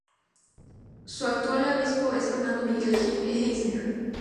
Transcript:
Su actual obispo es Fernando Miguel Gil Eisner.